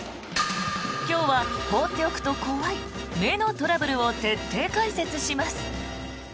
今日は放っておくと怖い目のトラブルを徹底解説します。